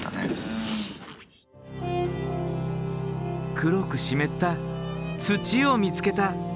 黒く湿った土を見つけた。